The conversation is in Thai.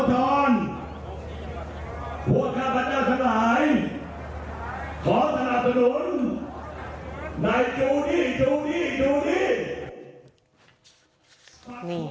ในจูนี้จูนี้จูนี้